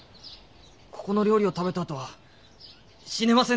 ここの料理を食べたあとは死ねませんでした。